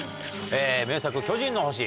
名作、巨人の星。